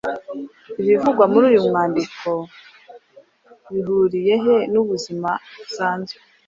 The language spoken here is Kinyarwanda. Ibivugwa muri uyu mwandiko bihuriye he n’ubuzima busanzwe